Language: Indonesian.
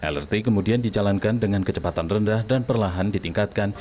lrt kemudian dijalankan dengan kecepatan rendah dan perlahan ditingkatkan